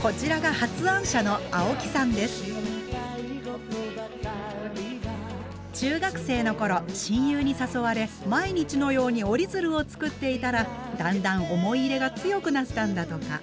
こちらが発案者の中学生の頃親友に誘われ毎日のように折り鶴を作っていたらだんだん思い入れが強くなったんだとか。